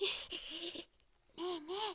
ねえねえ